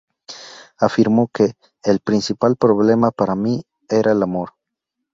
Afirmó que "el principal problema para mí era el amor.